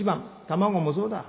卵もそうだ。